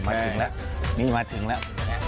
มาถึงแล้วนี่มาถึงแล้ว